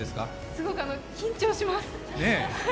すごく緊張します！